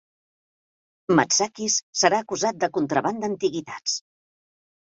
Matsakis serà acusat de contraban d'antiguitats.